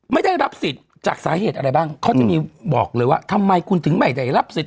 ไม่ได้รับสิทธิ์จากสาเหตุอะไรบ้างเขาจะมีบอกเลยว่าทำไมคุณถึงไม่ได้รับสิท